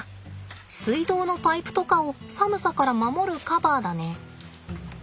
水道のパイプとかを寒さから守るカバーだね。